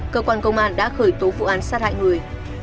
cơ quan công an đã khởi tố vụ án sát hại người